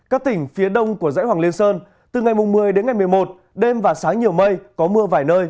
các tỉnh phía đông của dãy hoàng liên sơn từ ngày một mươi đến ngày một mươi một đêm và sáng nhiều mây có mưa vài nơi